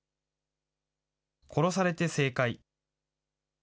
殺されて正解。